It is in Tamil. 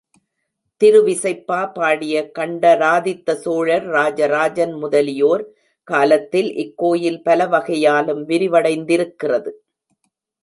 திருவிசைப்பா பாடிய கண்டராதித்த சோழர், ராஜராஜன் முதலியோர் காலத்தில் இக்கோயில் பலவகையாலும் விரிவடைந்திருக்கிறது.